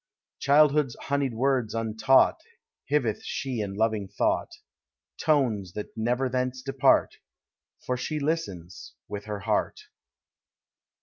Childhood's honeyed words untaught liiveth she iu loving thought, — Tones that never theme depart; For she listens— with her heart.